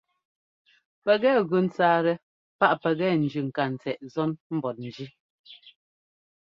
Pɛkɛ gʉ ńtsáatɛ páꞌ pɛkɛ ńjʉ́ ŋkatsɛꞌ zɔ́n mbɔtnjí.